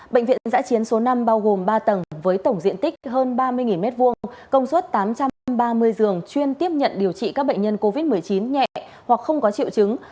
bệnh viện giã chiến số năm bao gồm ba tầng với tổng diện tích hơn ba mươi m hai công suất tám trăm ba mươi giường chuyên tiếp nhận điều trị các bệnh nhân covid một mươi chín nhẹ hoặc không có triệu chứng